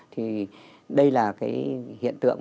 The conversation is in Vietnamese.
thì đây là cái hiện tượng